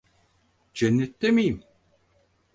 Cennette miyim?